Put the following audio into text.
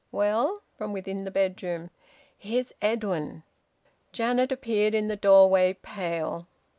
"Well?" from within the bedroom. "Here's Edwin." Janet appeared in the doorway, pale.